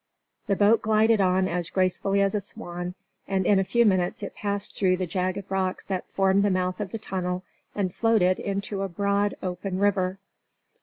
The boat glided on as gracefully as a swan, and in a few minutes it passed through the jagged rocks that formed the mouth of the tunnel and floated into a broad, open river.